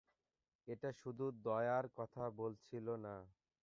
এটা শুধু দয়ার কথা বলছিল না।